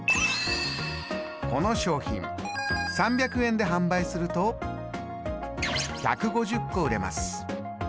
この商品３００円で販売すると１５０個売れます。